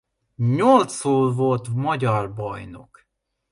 Nyolcszor volt magyar bajnok.